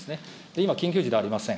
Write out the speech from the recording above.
今、緊急時でありません。